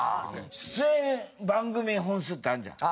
出演番組本数ってあるじゃん。